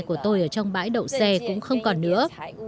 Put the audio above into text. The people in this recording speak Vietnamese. của tôi ở trong bãi đậu xe cũng không còn nữa